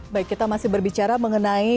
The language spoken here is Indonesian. baik kita masih berbicara mengenai